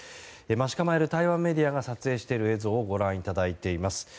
待ち構える台湾メディアが撮影している映像をご覧いただいています。